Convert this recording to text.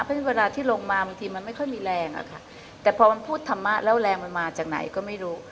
เพราะฉะนั้นเวลาที่ลงมาบางทีมันไม่ค่อยมีแรงอะค่ะแต่พอมันพูดธรรมะแล้วแรงมันมาจากไหนก็ไม่รู้